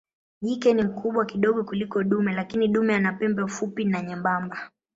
Jike ni mkubwa kidogo kuliko dume lakini dume ana pembe fupi na nyembamba.